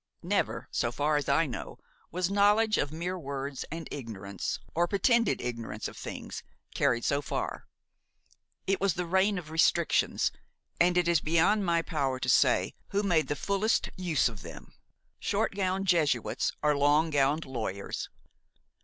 Never, so far as I know, was knowledge of mere words and ignorance, or pretended ignorance, of things carried so far. It was the reign of restrictions, and it is beyond my power to say who made the fullest use of them, short gowned Jesuits or long gowned lawyers.